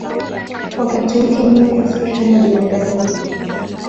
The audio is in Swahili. Wakati wake Mungu si kama binadamu.